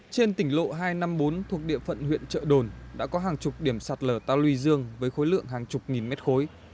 trên tỉnh lộ hai trăm năm mươi bốn thuộc địa phận huyện trợ đồn đã có hàng chục điểm sạt lở ta luy dương với khối lượng hàng chục nghìn mét khối